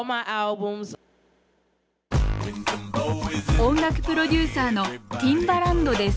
音楽プロデューサーのティンバランドです。